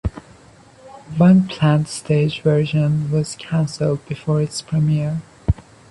One planned stage version was canceled before its premiere.